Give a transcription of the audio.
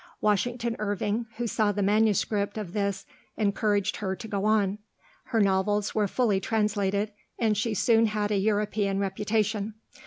Washington Irving, who saw the manuscript of this, encouraged her to go on. Her novels were fully translated, and she soon had a European reputation.